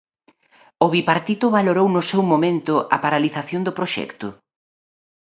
O bipartito valorou no seu momento a paralización do proxecto?